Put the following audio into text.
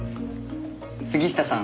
杉下さん